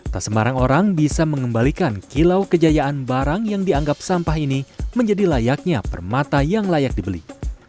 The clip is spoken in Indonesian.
tak sembarang orang bisa mengembalikan kilau kejayaan barang yang dianggap sampah ini menjadi layaknya permata yang layak dibeli